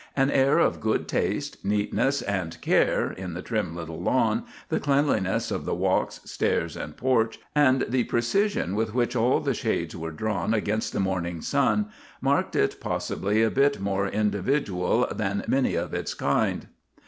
An air of good taste, neatness, and care in the trim little lawn, the cleanliness of the walks, stairs and porch, and the precision with which all of the shades were drawn against the morning sun, marked it possibly a bit more individual than many of its kind.